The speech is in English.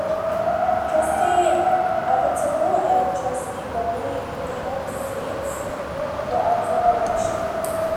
Trustee Avitabile and Trustee Bonnie Ingraham's seats were up for election.